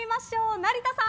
成田さん！